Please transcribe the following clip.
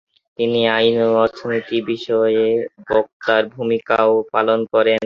তিনি আইন ও অর্থনীতি বিষয়ে বক্তার ভূমিকাও পালন করেন।